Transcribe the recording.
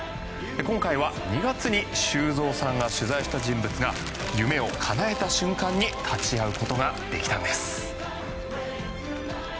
今回は２月に修造さんが取材した人物が夢をかなえた瞬間に立ち会うことができたんです。